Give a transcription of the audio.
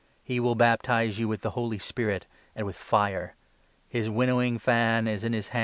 He will baptize you with the Holy Spirit and with fire. His winnowing fan is in his.